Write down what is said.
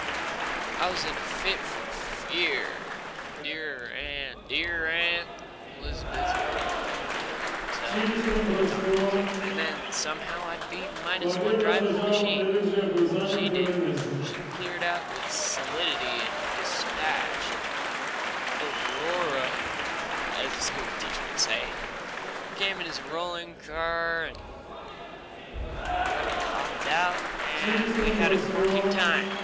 I was in a fit for fear dear Aunt Elizabeth would linger around till the doctor came, and then somehow I'd be minus one drive in a machine. She didn't; she cleared out with solidity and despatch, and my Aurora, as the school teacher would say, came in his whirling car, and in I popped, and we had a corking time.